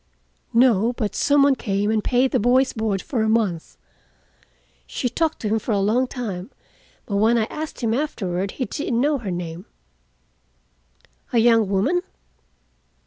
"No, but some one came and paid the boy's board for a month. She talked to him for a long time, but when I asked him afterward he didn't know her name." "A young woman?"